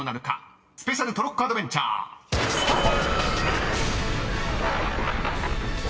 ［スペシャルトロッコアドベンチャースタート！］